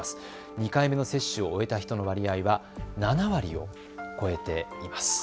２回目の接種を終えた人の割合は７割を超えています。